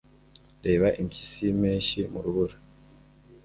reba impyisi yimpeshyi mu rubura